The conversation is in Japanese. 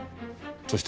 そして。